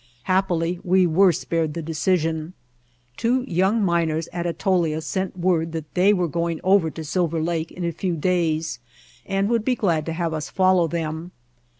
Happily we were spared the decision. Two young miners at Atolia sent word that they were going over to Silver Lake in a few days and would be glad to have us follow them.